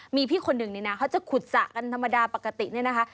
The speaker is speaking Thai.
มีพี่คนหนึ่งนี่นะเขาจะขุดสระกันธรรมดาปกติเนี่ยนะคะ